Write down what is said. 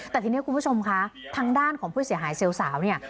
แต่ทีนี้คุณผู้ชมคะทางด้านของผู้เสียหายเซลล์สาวเนี่ย